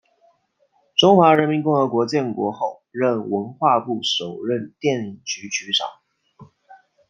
中华人民共和国建国后任文化部首任电影局局长。